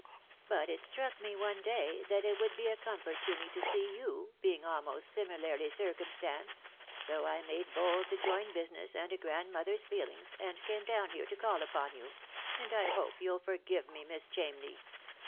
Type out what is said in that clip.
But it struck me one day that it would be a comfort to me to see you, being almost similarly circumstanced ; so I made bold to join business and a grandmother's feelings, and came down here to call upon you; and I hope you'll forgive me, Miss Chamney."